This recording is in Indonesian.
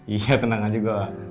iya tenang aja gue